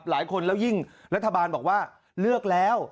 หลายคนแล้วยิ่งรัฐบาลบอกว่าเลือกแล้ว